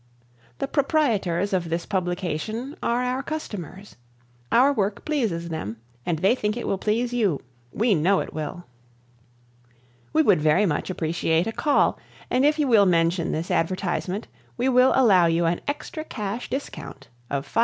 The proprietors of this publication are our customers. Our work pleases them and they think it will please you. We know it will. We would very much appreciate a call and if you will mention this advertisement we will allow you an extra cash discount of 5%.